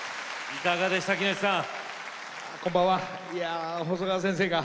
いかがでしたか？